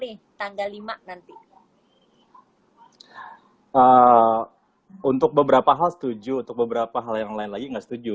nih tanggal lima nanti untuk beberapa hal setuju untuk beberapa hal yang lain lagi nggak setuju